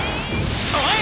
おい！